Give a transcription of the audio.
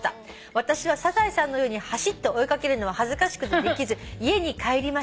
「私はサザエさんのように走って追い掛けるのは恥ずかしくてできず家に帰りました」